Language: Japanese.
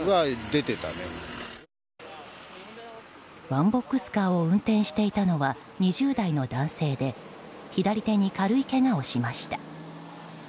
ワンボックスカーを運転していたのは２０代の男性で左手に軽いけがをしました。